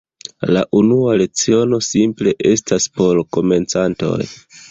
La unua leciono simple estas por komencantoj.